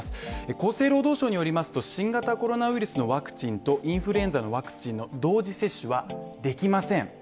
厚生労働省によりますと新型コロナウイルスのワクチンとインフルエンザのワクチンの同時接種はできません。